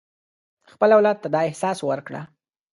خپل اولاد ته دا احساس ورکړه.